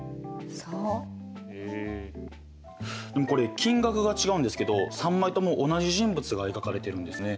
でもこれ金額が違うんですけど３枚とも同じ人物が描かれてるんですね。